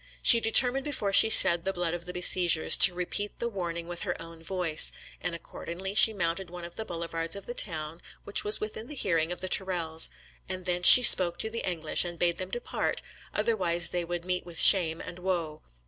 She determined before she shed the blood of the besiegers, to repeat the warning with her own voice; and accordingly she mounted one of the boulevards of the town, which was within hearing of the Tourelles; and thence she spoke to the English, and bade them depart, otherwise they would meet with shame and woe.